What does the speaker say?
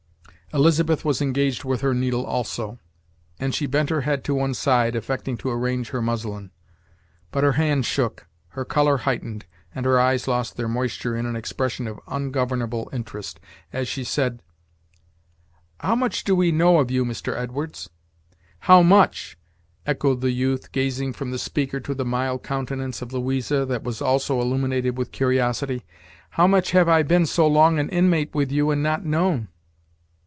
Elizabeth was engaged with her needle also, and she bent her head to one side, affecting to arrange her muslin; but her hand shook, her color heightened, and her eyes lost their moisture in an expression of ungovernable interest, as she said: "How much do we know of you, Mr. Edwards?" "How much!" echoed the youth, gazing from the speaker to the mild countenance of Louisa, that was also illuminated with curiosity; "how much Have I been so long an inmate with you and not known?"